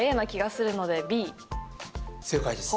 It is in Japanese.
正解です。